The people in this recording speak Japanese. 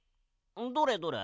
どれどれ？